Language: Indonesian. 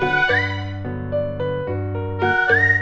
agar orang orang beranjak